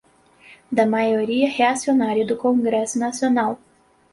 da maioria reacionária do Congresso Nacional